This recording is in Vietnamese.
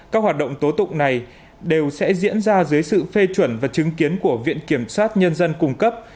các hoạt động tố tụng này đều sẽ diễn ra dưới sự phê chuẩn và chứng kiến của viện kiểm sát nhân dân cung cấp